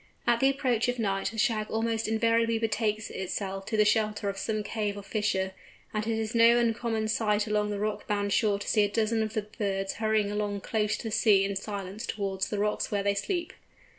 At the approach of night the Shag almost invariably betakes itself to the shelter of some cave or fissure; and it is no uncommon sight along the rock bound shore to see a dozen of these birds hurrying along close to the sea in silence towards the rocks where they sleep.